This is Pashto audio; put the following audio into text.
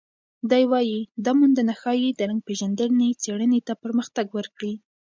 دی وايي، دا موندنه ښايي د رنګ پېژندنې څېړنې ته پرمختګ ورکړي.